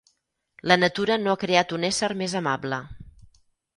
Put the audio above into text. La Natura no ha creat un ésser més amable.